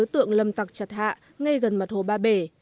đối tượng lầm tặc chặt hạ ngay gần mặt hồ ba bể